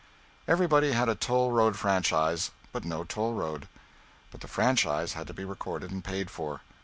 Everybody had a toll road franchise, but no toll road. But the franchise had to be recorded and paid for.